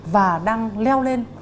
và đang leo lên